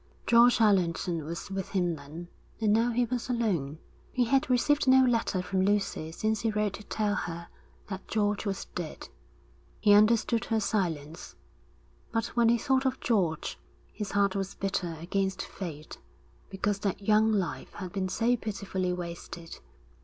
George Allerton was with him then, and now he was alone. He had received no letter from Lucy since he wrote to tell her that George was dead. He understood her silence. But when he thought of George, his heart was bitter against fate because that young life had been so pitifully wasted.